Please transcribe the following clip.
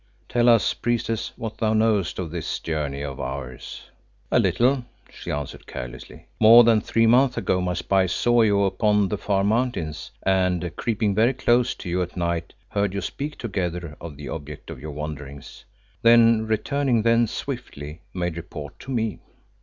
Tell us, Priestess, what thou knowest of this journey of ours." "A little," she answered carelessly. "More than three moons ago my spies saw you upon the far mountains, and, creeping very close to you at night, heard you speak together of the object of your wanderings, then, returning thence swiftly, made report to me.